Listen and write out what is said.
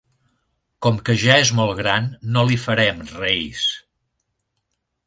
Com que ja és molt gran, no li farem reis.